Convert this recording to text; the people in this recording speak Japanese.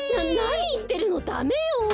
ななにいってるのダメよ！